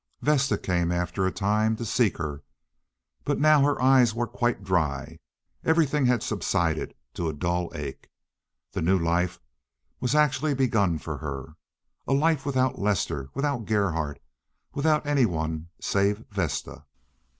Vesta came after a time, to seek her, but now her eyes were quite dry; everything had subsided to a dull ache. The new life was actually begun for her—a life without Lester, without Gerhardt, without any one save Vesta.